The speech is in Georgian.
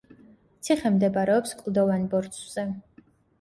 ციხე მდებარეობს კლდოვან ბორცვზე.